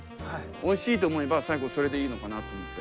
おいしいと思えば最後それでいいのかなと思って。